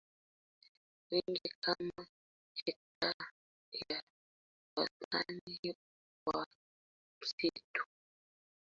nyingi kama hekta ya wastani ya msitu